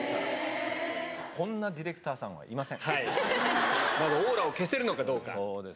こんなディレクターさんはいまずオーラを消せるのかどうか。